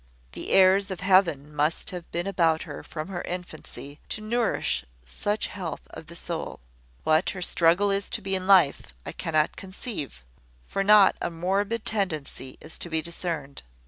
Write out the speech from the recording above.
The airs of heaven must have been about her from her infancy, to nourish such health of the soul. What her struggle is to be in life I cannot conceive, for not a morbid tendency is to be discerned.